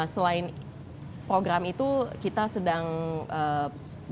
selain program itu kita sedang membuat program yang berkaitan dengan pendanaan campuran